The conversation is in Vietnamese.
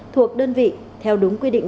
thuộc đơn vị theo đúng quy định